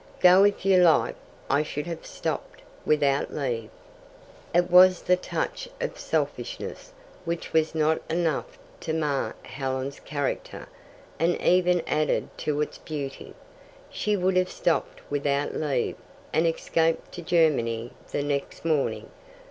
"Go if you like; I should have stopped without leave." It was the touch of selfishness, which was not enough to mar Helen's character, and even added to its beauty. She would have stopped without leave, and escaped to Germany the next morning.